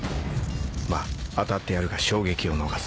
まぁ当たってやるが衝撃を逃す